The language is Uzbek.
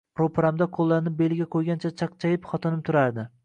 Ro'paramda qo'llarini beliga qo'ygancha chaqchayib xotinim turardi